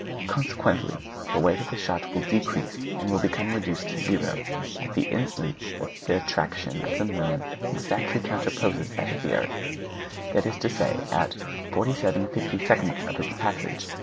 _ Consequently, the weight of a shot will decrease, and will become reduced to zero at the instant that the attraction of the moon exactly counterpoises that of the earth; that is to say at 47/52 of its passage.